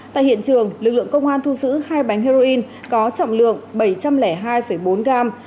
tại hiện trường lực lượng công an thu giữ hai bánh heroin có trọng lượng bảy trăm linh hai bốn gram